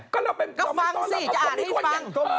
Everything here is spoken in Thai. ก็ฟังสิเดี๋ยวอ่านให้ฟัง